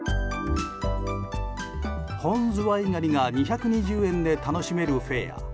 本ズワイガニが２２０円で楽しめるフェア。